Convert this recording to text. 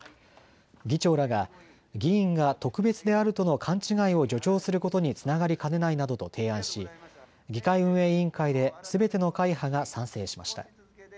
議長らが議員が特別であるとの勘違いを助長することにつながりかねないなどと提案し議会運営委員会ですべての会派が賛成しました。